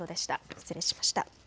失礼しました。